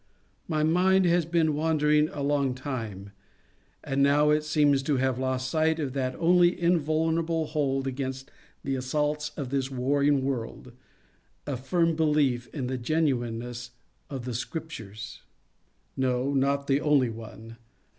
My mind has been wandering a long time, and now it seems to have lost sight of that only invulnerable hold against the assaults of this warring world, a firm belief in the genuineness of the Scriptures. No, not the only one.